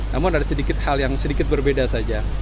namun ada sedikit hal yang sedikit berbeda saja